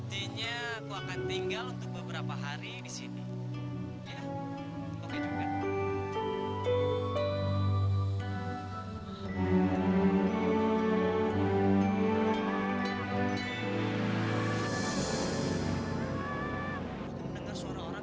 saya cuma berniat menolong bang